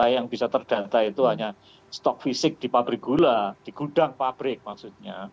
yang bisa terdata itu hanya stok fisik di pabrik gula di gudang pabrik maksudnya